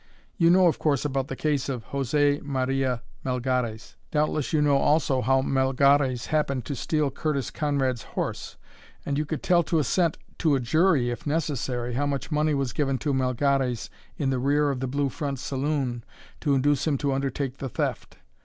You know, of course, about the case of José Maria Melgares. Doubtless you know, also, how Melgares happened to steal Curtis Conrad's horse; and you could tell to a cent to a jury, if necessary how much money was given to Melgares in the rear of the Blue Front saloon to induce him to undertake the theft.